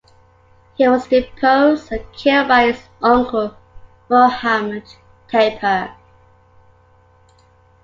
He was deposed and killed by his uncle Muhammed Tapar.